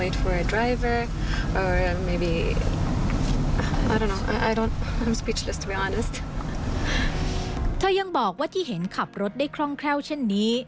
เธอยังบอกว่าที่เห็นขับรถได้คล่องแคล่วเช่นนี้